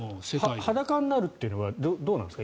裸になるというのはどうなんですか？